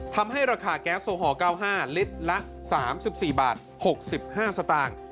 ทำให้ราคาแก๊สโอฮอล๙๕ลิตรละ๓๔บาท๖๕สตางค์